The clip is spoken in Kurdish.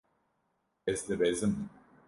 Ez dibezim.